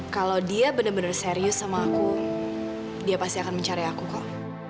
kalau dia benar benar serius sama aku dia pasti akan mencari aku kok